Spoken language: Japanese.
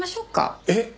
えっ！